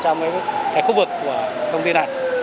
ở trong khu vực của công ty này